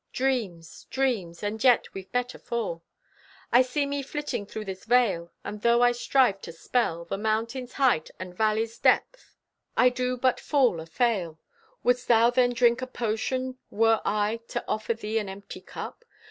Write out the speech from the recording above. Dreams! Dreams! And yet, we've met afore! I see me flitting thro' this vale, And tho' I strive to spell The mountain's height and valley's depth, I do but fall afail. Wouldst thou then drink a potion Were I to offer thee an empty cup?